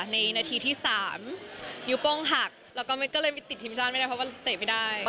นาทีที่๓นิ้วโป้งหักแล้วก็ก็เลยไม่ติดทีมชาติไม่ได้เพราะว่าเตะไม่ได้